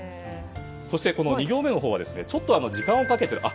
そして、２行目のほうはちょっと時間をかけて。